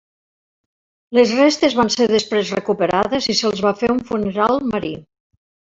Les restes van ser després recuperades i se'ls va fer un funeral marí.